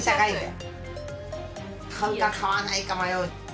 買うか買わないか迷う。